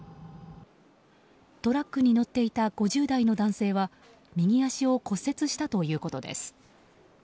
トラックに乗っていた５０代の男性は右足を骨折したということです。